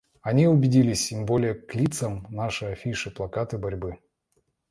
Они убедились — им более к лицам наши афиши, плакаты борьбы.